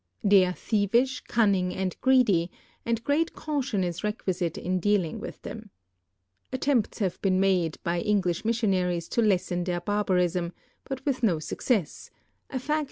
They are thievish, cunning, and greedy, and great cau tion is requisite in dealing with them. Attempts have been made l)y English missionaries to les.sen their barl)arism, but with no success, a f:vt whi.